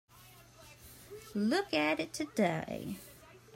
Look at it today.